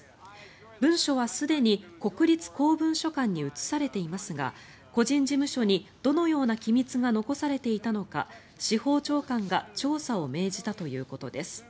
文書はすでに国立公文書館に移されていますが個人事務所にどのような機密が残されていたのか司法長官が調査を命じたということです。